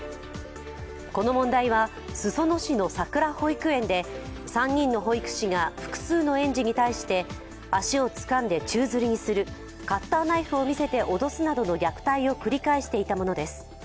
この問題は、裾野市のさくら保育園で３人の保育士が複数の園児に対して足をつかんで宙づりにする、カッターナイフを見せて脅すなどの虐待を繰り返していたものです。